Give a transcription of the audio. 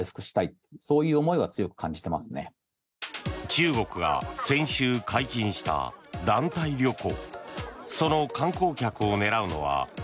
中国が先週解禁した団体旅行。